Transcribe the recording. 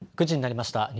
９時になりました。